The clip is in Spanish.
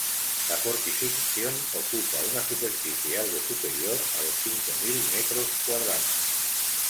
La fortificación ocupa una superficie algo superior a los cinco mil metros cuadrados.